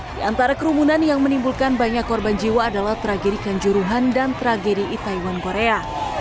di antara kerumunan yang menimbulkan banyak korban jiwa adalah tragedi kanjuruhan dan tragedi itaewon korea